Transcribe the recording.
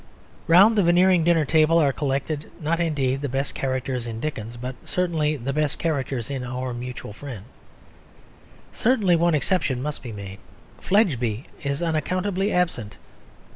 Round the Veneering dinner table are collected not indeed the best characters in Dickens, but certainly the best characters in Our Mutual Friend. Certainly one exception must be made. Fledgeby is unaccountably absent.